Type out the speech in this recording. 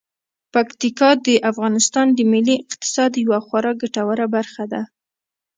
پکتیکا د افغانستان د ملي اقتصاد یوه خورا ګټوره برخه ده.